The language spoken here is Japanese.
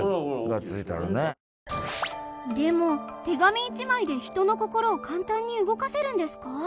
でも手紙一枚で人の心を簡単に動かせるんですか？